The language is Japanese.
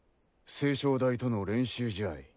青翔大との練習試合。